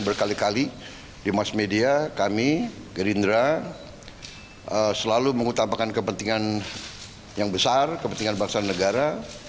berkali kali di mass media kami gerindra selalu mengutamakan kepentingan yang besar kepentingan bangsa dan negara